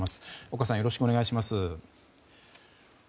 岡さん、よろしくお願いします。